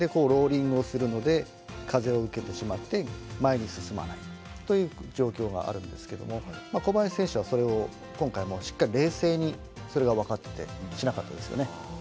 ローリングをするので風を受けてしまって前に進まないという状況があるんですけれども小林選手は、それを今回も、しっかり冷静にそれが分かっててしなかったですよね。